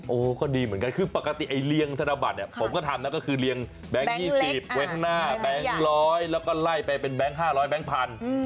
โอ้ก็ดีเหมือนกันคือปกติไอ้เลี้ยงสนบัตรเนี่ยผมก็ทำแล้วก็คือเลี้ยงแบงค์ยี่สิบแบงค์หน้าแบงค์ร้อยแล้วก็ไล่ไปเป็นแบงค์ห้าร้อยแบงค์พันธุ์